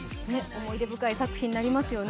思い出深い作品になりますよね。